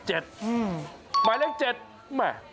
หมายเลข๗แหม่